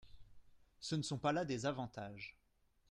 Ce ne sont pas là des avantages…